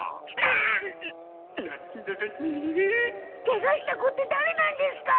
ケガした子ってだれなんですか！？